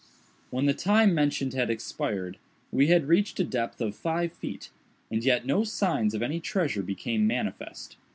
When the time mentioned had expired, we had reached a depth of five feet, and yet no signs of any treasure became manifest.